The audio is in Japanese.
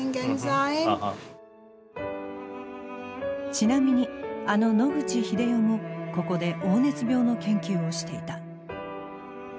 ちなみにあの野口英世もここで黄熱病の研究をしていた。